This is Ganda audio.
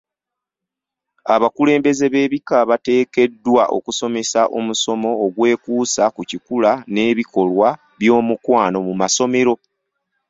Abakulembeze b'ebika bateekeddwa okusomesa omusomo ogwekuusa ku kikula n'ebikolwa by'omukwano mu masomero.